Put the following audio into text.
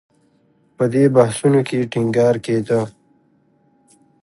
په دې بحثونو کې ټینګار کېده